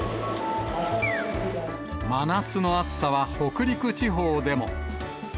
真夏の暑さは北陸地方でも。